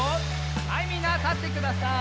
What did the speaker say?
はいみんなたってください。